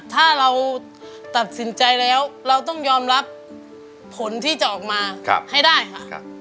ถ้าเราตัดสินใจแล้วเราต้องยอมรับผลที่จะออกมาให้ได้ค่ะ